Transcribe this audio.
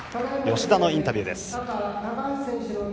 芳田のインタビューです。